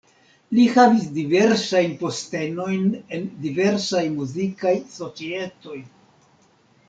Li havis diversajn postenojn en diversaj muzikaj societoj.